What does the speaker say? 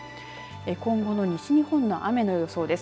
今後の西日本の雨の予想です。